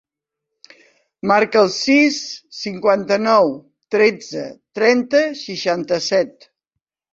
Marca el sis, cinquanta-nou, tretze, trenta, seixanta-set.